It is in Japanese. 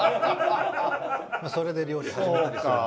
それで料理を始めたりするんで。